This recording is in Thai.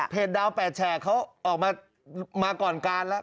ดาว๘แฉกเขาออกมาก่อนการแล้ว